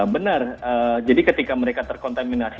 benar jadi ketika mereka terkontaminasi